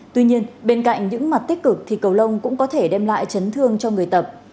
tuy nhiên bên cạnh những mặt tích cực thì cầu lông cũng có thể đem lại chấn thương cho người tập